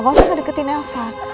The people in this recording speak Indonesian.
gak usah ngedeketin elsa